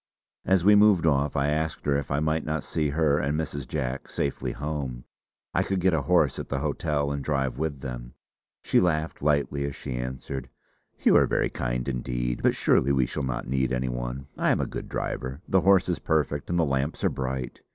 As we moved off I asked her if I might not see her and Mrs. Jack safely home. I could get a horse at the hotel and drive with them. She laughed lightly as she answered: "You are very kind indeed. But surely we shall not need any one! I am a good driver; the horse is perfect and the lamps are bright.